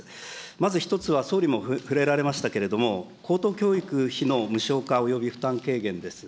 まず１つは総理も触れられましたけれども、高等教育費の無償化および負担軽減です。